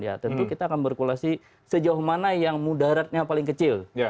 ya tentu kita akan berkulasi sejauh mana yang mudaratnya paling kecil